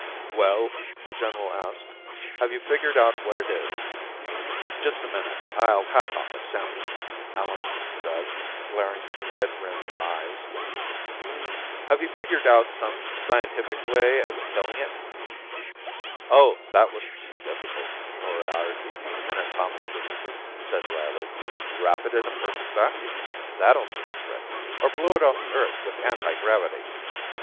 "Well," the general asked, "have you figured out what it is?" "Just a minute, I'll hack off a sample," Allenson said, glaring through red rimmed eyes. "Have you figured out some scientific way of killing it?" "Oh, that wasn't too difficult," Moriarty, an atomic physicist, said wryly. "Wrap it in a perfect vacuum. That'll do the trick. Or blow it off the Earth with anti gravity."